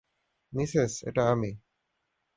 Mrs, এটা আমি!